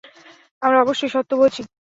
আমরা অবশ্যই সত্য বলছি।